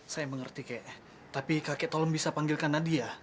saya mengerti kek tapi kakek tolong bisa panggilkan nadia